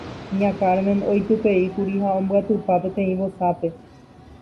Ña Carmen oitypeíkuri ha ombyatypa peteĩ vosápe.